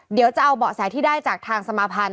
เดี๋ยวจะเอาเบาะแสที่ได้จากทางสมาพันธ์